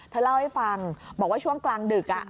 เธอเล่าให้ฟังบอกว่าช่วงกลางดึก